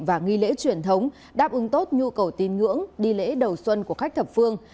và nghi lễ truyền thống đáp ứng tốt nhu cầu tin ngưỡng đi lễ đầu xuân của khách thập phương